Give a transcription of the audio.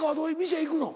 店行くの？